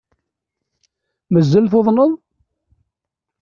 Mazal tuḍneḍ?